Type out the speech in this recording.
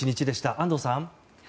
安藤さん。